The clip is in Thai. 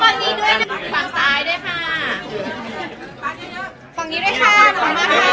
อันนั้นจะเป็นภูมิแบบเมื่อ